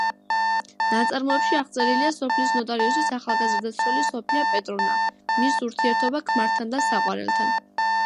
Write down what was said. ნაწარმოებში აღწერილია სოფლის ნოტარიუსის ახალგაზრდა ცოლი სოფია პეტროვნა, მიის ურთიერთობა ქმართან და საყვარელთან.